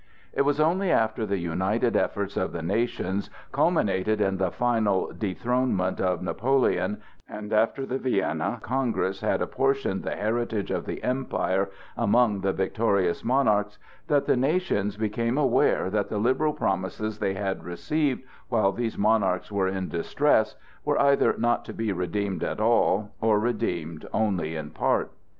It was only after the united efforts of the nations culminated in the final dethronement of Napoleon, and after the Vienna Congress had apportioned the heritage of the Empire among the victorious monarchs that the nations became aware that the liberal promises they had received while these monarchs were in distress were either not to be redeemed at all, or redeemed only in part.